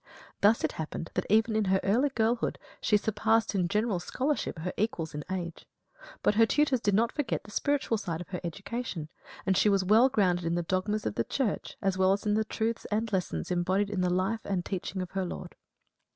Thus it happened that even in her early girlhood she surpassed in general scholarship her equals in age. But her tutors did not forget the spiritual side of her education, and she was well grounded in the dogmas of the Church as well as in the truths and lessons embodied in the life and teaching of her Lord.